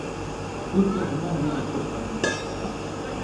Gur mığme, ner ğırkhım.